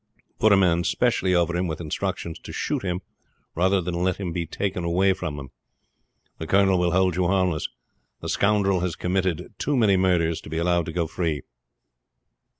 Put a man specially over him, with instructions to shoot him rather than let him be taken away from him. The colonel will hold you harmless. The scoundrel has committed too many murders to be allowed to go free."